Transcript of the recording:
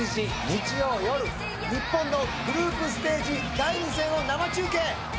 日本のグループステージ第２戦を生中継！